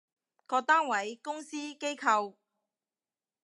各單位，公司，機構